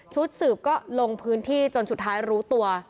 สืบก็ลงพื้นที่จนสุดท้ายรู้ตัว